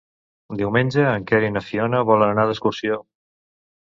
Diumenge en Quer i na Fiona volen anar d'excursió.